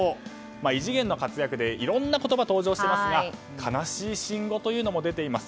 異次元の活躍でいろんな言葉が登場していますが悲しい新語も出ています。